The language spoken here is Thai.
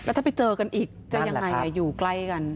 ถ้าไปเจอกันอีกจะยังไงอยู่ใกล้กัน